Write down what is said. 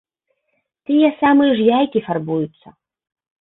Тыя самыя ж яйкі фарбуюцца.